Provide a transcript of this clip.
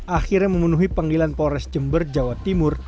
akhirnya memenuhi panggilan polres jember jawa timur